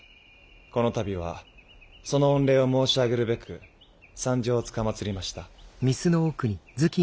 この度はその御礼を申し上げるべく参上つかまつりました。